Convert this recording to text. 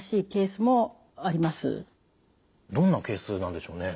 どんなケースなんでしょうね？